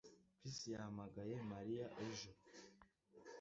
Chris yahamagaye Mariya ejo